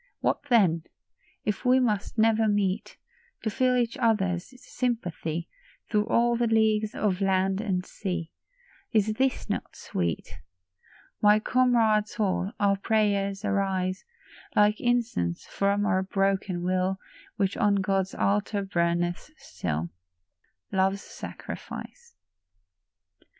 What then ? If we must never meet — To feel each other's sympathy Through all the leagues of land and sea, Is this not sweet ? My comrade soul, our prayers arise Like incense from our broken will, Which on God's altar burneth still, Love's sacrifice.